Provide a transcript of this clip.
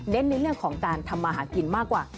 ในเรื่องของการทำมาหากินมากกว่า